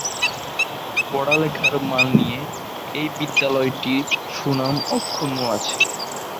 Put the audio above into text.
পড়ালেখার মান নিয়ে এই বিদ্যালয়টির সুনাম অক্ষুণ্ণ আছে।